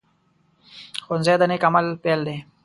ښوونځی د نیک عمل پيل دی